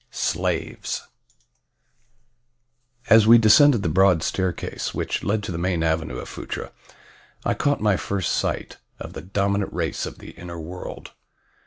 V SLAVES AS WE DESCENDED THE BROAD STAIRCASE WHICH led to the main avenue of Phutra I caught my first sight of the dominant race of the inner world.